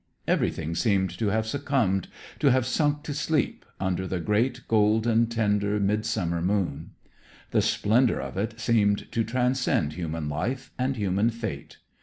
Everything seemed to have succumbed, to have sunk to sleep, under the great, golden, tender, midsummer moon. The splendor of it seemed to transcend human life and human fate.